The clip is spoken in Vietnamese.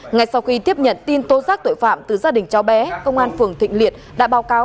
ngay sau khi tiếp nhận tin tố giác tội phạm từ gia đình cháu bé công an phường thịnh liệt đã báo cáo